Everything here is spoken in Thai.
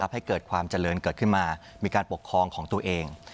ให้เกิดความเจริญเกิดขึ้นมามีการปกครองของตัวเอง